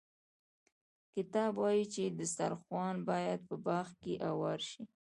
کتاب وايي چې دسترخوان باید په باغ کې اوار شي.